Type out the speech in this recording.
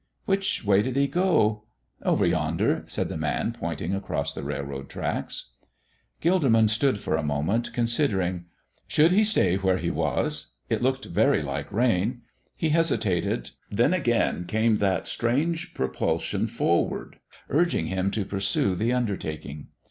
"Which way did He go?" "Over yonder," said the man, pointing across the railroad tracks. Gilderman stood for a moment considering. Should he stay where he was? It looked very like rain he hesitated then again came that strange propulsion forward, urging him to pursue the undertaking.